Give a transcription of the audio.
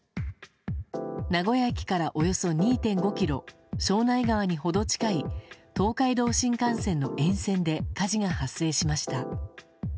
名古屋駅からおよそ２．５ｋｍ庄内川に程近い東海道新幹線の沿線で火事が発生しました。